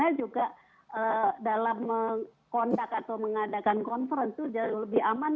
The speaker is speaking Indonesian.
kita juga dalam mengadakan conference itu lebih aman